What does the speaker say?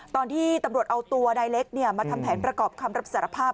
ตอนที่ตำรวจเอาตัวนายเล็กมาทำแผนประกอบคำรับสารภาพ